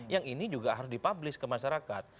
yang ini juga harus dipublish ke masyarakat